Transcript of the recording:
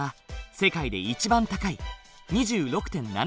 世界で一番高い２６．７％だ。